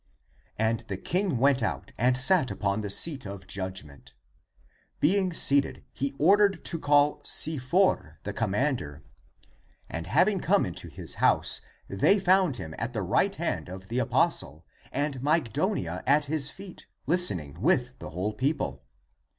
And the king went out and sat upon the seat of judgment. Being seated, he ordered to call Sifor, the commander. And having come into his house, they found him at the right hand of the apostle, and Mygdonia at his feet, listening with the whole people.